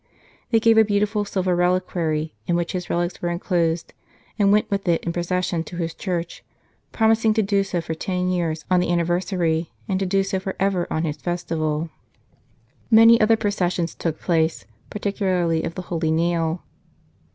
They gave a beautiful silver reliquary, in which his relics were enclosed, and went with it in procession to his church, promising to do so for ten years on the anniversary, and to do so for ever on his festival. Many other processions took place, particularly of the Holy Nail.